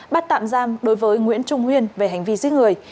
bắt tạm giam đối với nguyễn trung huyên về hành vi giết người